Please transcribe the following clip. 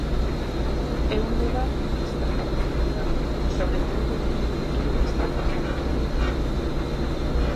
É un lugar de extrema dificultade, sobre todo dende o punto de vista orzamentario.